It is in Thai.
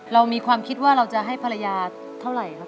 เรามีความคิดว่าเราจะให้ภรรยาเท่าไหร่ครับ